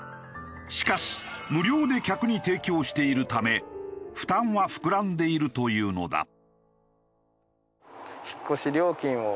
しかし無料で客に提供しているため負担は膨らんでいるというのだ。